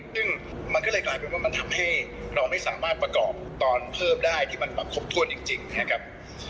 ซึ่งมันก็คือว่ามันทำให้เราไม่สามารถประกอบตอนเพิ่มได้ที่มันควบคุมจริงนะครับ